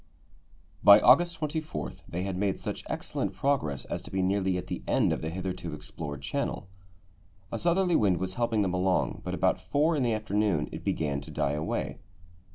By August 24 they had made such excellent progress as to be nearly at the end of the hitherto explored channel. A southerly wind was helping them along, but about four in the afternoon it began to die away.